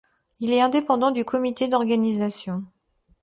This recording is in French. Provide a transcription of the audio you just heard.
Il est indépendant du comité d'organisation.